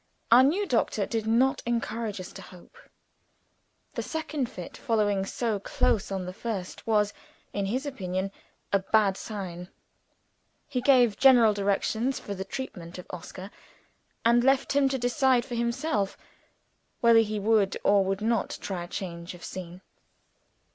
Our new doctor did not encourage us to hope. The second fit following so close on the first was, in his opinion, a bad sign. He gave general directions for the treatment of Oscar; and left him to decide for himself whether he would or would not try change of scene.